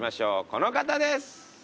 この方です！